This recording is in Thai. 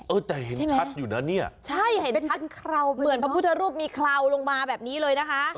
เออแต่เห็นชัดอยู่นะเนี่ยใช่เห็นชัดเคราวเหมือนพระพุทธรูปมีเคลาลงมาแบบนี้เลยนะคะ